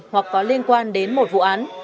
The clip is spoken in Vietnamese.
hoặc có liên quan đến một vụ án